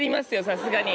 さすがに。